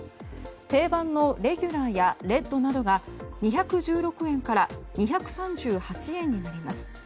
定番のレギュラーやレッドなどが２１６円から２３８円になります。